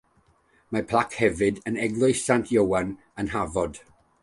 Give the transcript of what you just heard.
Mae plac hefyd yn Eglwys Sant Ioan yn Hafod.